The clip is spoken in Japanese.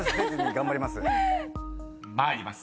［参ります。